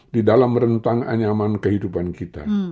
di dalam rentang anyaman kehidupan kita